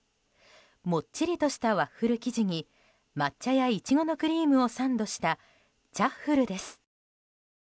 もっちりとしたワッフル生地に抹茶やイチゴのクリームをサンドした茶っふるです。